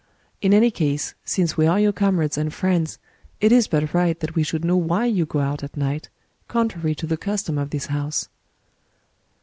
In any case, since we are your comrades and friends, it is but right that we should know why you go out at night, contrary to the custom of this house."